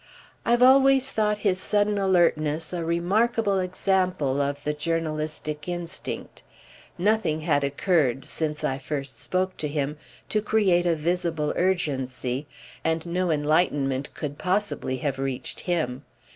I've always thought his sudden alertness a remarkable example of the journalistic instinct. Nothing had occurred, since I first spoke to him, to create a visible urgency, and no enlightenment could possibly have reached him.